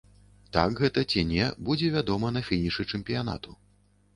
Так гэта ці не, будзе вядома на фінішы чэмпіянату.